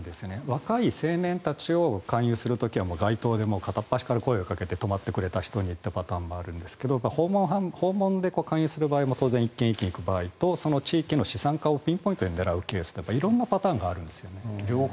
若い青年たちを勧誘する時には街頭で片っ端から声をかけて止まってくれた人にというのもあるんですが訪問で勧誘する場合も当然１軒１軒行く場合とその地域の資産家をピンポイントで狙うケースって色んなパターンがあるんですね。